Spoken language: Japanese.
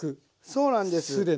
そうなんです。